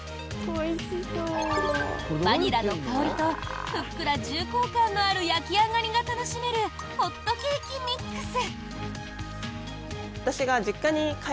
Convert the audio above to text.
バニラの香りとふっくら重厚感のある焼き上がりが楽しめるホットケーキミックス。